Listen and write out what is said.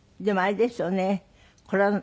でもあれですよね